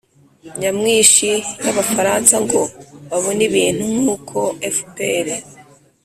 nyamwinshi y'abafaransa ngo babone ibintu nkuko fpr